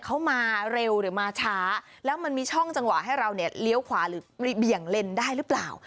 เขามาเร็วหรือมาช้าแล้วมันมีช่องจังหวะให้เราเนี่ยเลี้ยวขวาหรือเบี่ยงเลนได้หรือเปล่า